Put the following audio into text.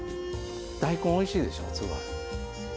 大根おいしいでしょすごい。